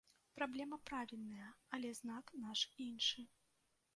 Праблема правільная, але знак наш іншы.